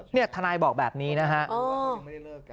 นี่ทนายบอกแบบนี้นะครับ